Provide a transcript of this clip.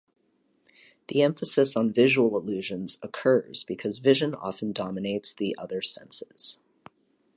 The emphasis on visual illusions occurs because vision often dominates the other senses.